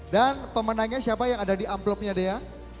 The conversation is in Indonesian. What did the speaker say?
pemenangnya siapa yang ada di amplopnya dea